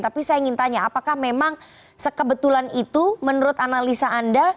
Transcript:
tapi saya ingin tanya apakah memang sekebetulan itu menurut analisa anda